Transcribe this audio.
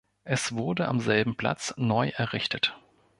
Es wurde am selben Platz neu errichtet.